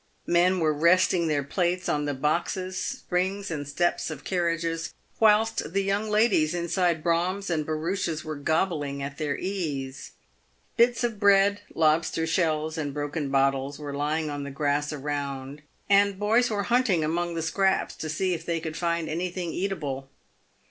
Men were PAVED WITH GOLD. 223 resting their plates on the boxes, springs, and steps of carriages, whilst the young ladies inside broughams and barouches were gobbling at their ease. Bits of bread, lobster shells, and broken bottles, were lying on the grass around, and boys were hunting among the scraps to see if they could find anything eatable.